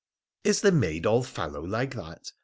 ' Is the maid all fallow like that